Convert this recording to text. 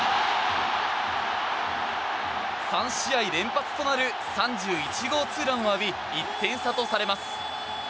３試合連発となる３１号ツーランを浴び１点差とされます。